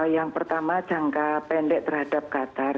yang pertama jangka pendek terhadap qatar